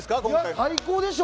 最高でしょう。